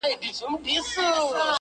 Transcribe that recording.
هغه چي په لفظونو کي بې هم پښه وهل